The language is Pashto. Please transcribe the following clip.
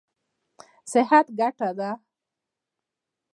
صحت ګټه ده.